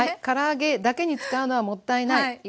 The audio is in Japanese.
から揚げだけに使うのはもったいない。